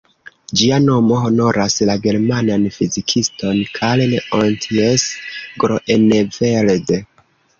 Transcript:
Ĝia nomo honoras la germanan fizikiston "Karl-Ontjes Groeneveld".